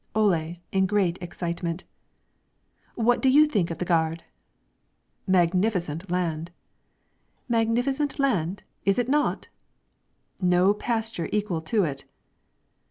Ole, in great excitement: "What do you think of the gard?" "Magnificent land!" "Magnificent land; is it not?" "No pasture equal to it!"